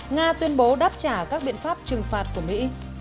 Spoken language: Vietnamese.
nga tuyên bố đáp trả các biện pháp trừng phạt của mỹ